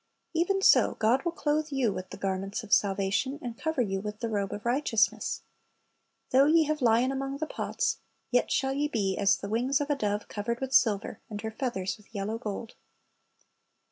"'' Even so God will clothe you with "the garments of salvation," and cover you with "the robe of righteousness." "Though ye bave lien among the pots, yet shall ye be as the wings of a dove covered with silver, and her feathers with yellow gold."'